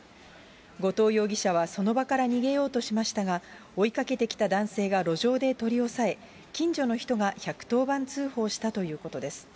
後藤容疑者はその場から逃げようとしましたが、追いかけてきた男性が路上で取り押さえ、近所の人が１１０番通報したということです。